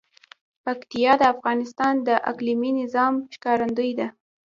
پکتیا د افغانستان د اقلیمي نظام ښکارندوی ده.